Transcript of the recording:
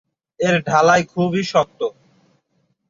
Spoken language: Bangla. এর ঢালাই খুবই শক্ত।